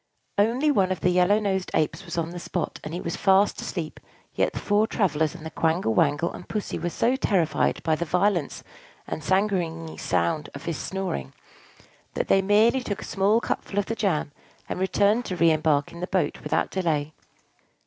Only one of the yellow nosed Apes was on the spot, and he was fast asleep; yet the four travellers and the Quangle Wangle and Pussy were so terrified by the violence and sanguinary sound of his snoring, that they merely took a small cupful of the jam, and returned to re embark in their boat without delay.